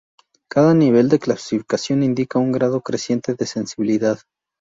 Cada nivel de clasificación indica un grado creciente de sensibilidad.